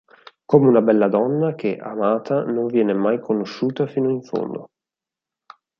Come una bella donna, che, amata, non viene mai conosciuta fino in fondo.